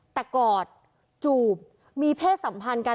แต่กอดจูบมีเพศสัมพันธ์กัน